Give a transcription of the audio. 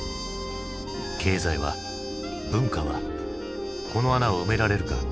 経済は文化はこの穴を埋められるか。